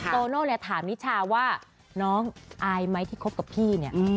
โตโน่เนี่ยถามนิชาว่าน้องอายไหมที่คบกับพี่เนี่ย